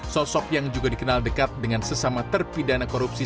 sosok yang juga dikenal dekat dengan sesama terpidana korupsi